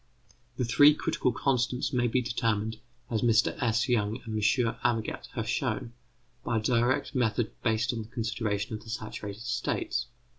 The three critical constants may be determined, as Mr S. Young and M. Amagat have shown, by a direct method based on the consideration of the saturated states.